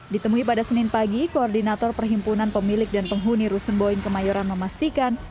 ditemui pada senin pagi koordinator perhimpunan pemilik dan penghuni rusun boeing kemayoran memastikan